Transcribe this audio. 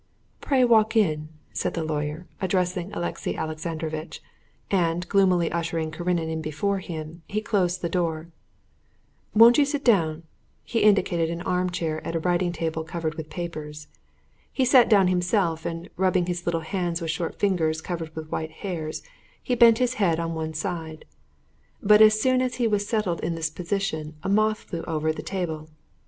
"Pray walk in," said the lawyer, addressing Alexey Alexandrovitch; and, gloomily ushering Karenin in before him, he closed the door. "Won't you sit down?" He indicated an armchair at a writing table covered with papers. He sat down himself, and, rubbing his little hands with short fingers covered with white hairs, he bent his head on one side. But as soon as he was settled in this position a moth flew over the table.